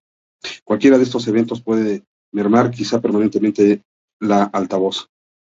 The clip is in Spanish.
Cualquiera de estos eventos puede mermar, quizá permanentemente, al altavoz.